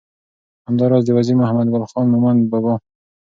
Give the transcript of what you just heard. همدا راز د وزیر محمد ګل خان مومند بابا